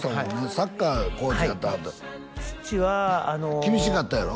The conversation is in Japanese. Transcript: サッカーのコーチやってはった父はあの厳しかったんやろ？